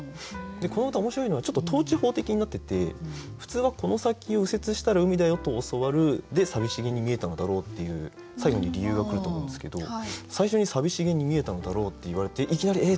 この歌面白いのはちょっと倒置法的になってて普通は「この先を右折したら海だよ、と教わる」で「寂しげに見えたのだろう」っていう最後に理由が来ると思うんですけど最初に「寂しげに見えたのだろう」って言われていきなりえっ？